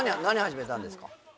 何始めたんですか？